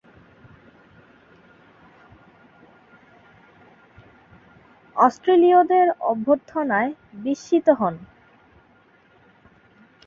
অস্ট্রেলীয়দের অভ্যর্থনায় বিস্মিত হন।